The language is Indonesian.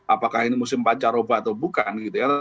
apakah ini musim pacar obat atau bukan